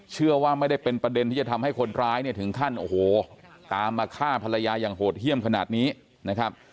เชื่อว่าไม่ได้เป็นประเด็นที่จะทำให้คนร้ายเนี่ยถึงขั้นโอ้โหตามมาฆ่าภรรยาอย่างโหดเยี่ยมขนาดนี้นะครับ